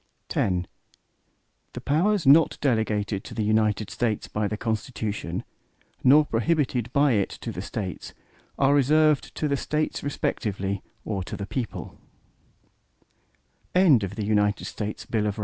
X The powers not delegated to the United States by the Constitution, nor prohibited by it to the States, are reserved to the States respectively, or to the people.